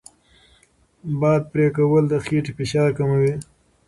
باد پرې کول د خېټې فشار کموي.